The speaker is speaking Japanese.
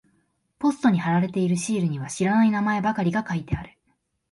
ポストに貼られているシールには知らない名前ばかりが書いてある。